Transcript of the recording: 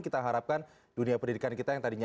kita harapkan dunia pendidikan kita yang tadinya